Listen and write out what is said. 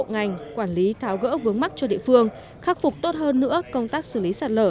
ngành quản lý tháo gỡ vướng mắt cho địa phương khắc phục tốt hơn nữa công tác xử lý sạt lở